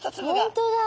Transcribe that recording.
本当だ。